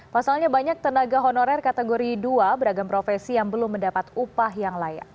pasalnya banyak tenaga honorer kategori dua beragam profesi yang belum mendapat upah yang layak